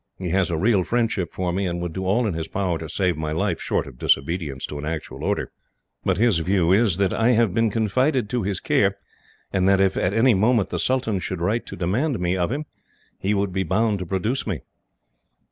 He has a real friendship for me, and would do all in his power to save my life, short of disobedience to an actual order. But his view is that I have been confided to his care, and that if, at any moment, the Sultan should write to demand me of him, he would be bound to produce me."